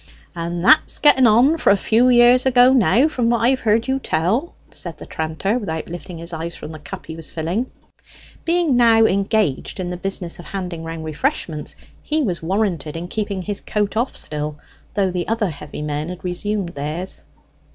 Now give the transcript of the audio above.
"And that's getting on for a good few years ago now, from what I've heard you tell," said the tranter, without lifting his eyes from the cup he was filling. Being now engaged in the business of handing round refreshments, he was warranted in keeping his coat off still, though the other heavy men had resumed theirs.